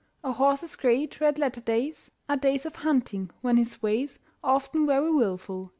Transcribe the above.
A horse's great red letter days Are days of hunting, when his ways Are often very wilful.